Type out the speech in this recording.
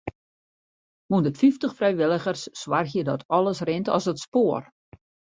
Hûndertfyftich frijwilligers soargje dat alles rint as it spoar.